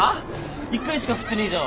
１回しか振ってねえじゃん。